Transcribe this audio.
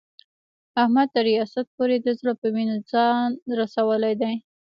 احمد تر ریاست پورې د زړه په وینو ځان رسولی دی.